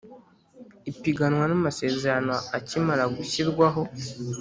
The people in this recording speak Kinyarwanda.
ipiganwa n amasezerano akimara gushyirwaho